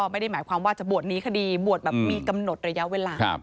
มีกำหนดระยะเวลา